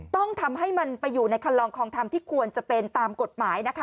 ต้องทำให้มันไปอยู่ในคันลองคลองธรรมที่ควรจะเป็นตามกฎหมายนะคะ